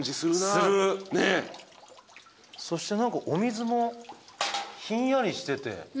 そして何かお水もひんやりしてて。